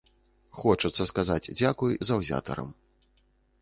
Хочацца сказаць дзякуй заўзятарам.